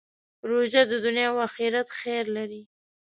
روژه د دنیا او آخرت خیر لري.